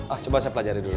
ah coba saya pelajari dulu